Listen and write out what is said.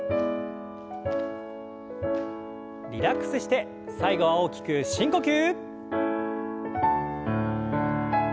リラックスして最後は大きく深呼吸。